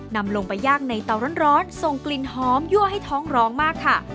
นำลงไปย่างในเตาร้อนส่งกลิ่นหอมยั่วให้ท้องร้องมากค่ะ